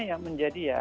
ya menjadi ya